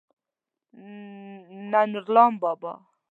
نه نورلام بابا.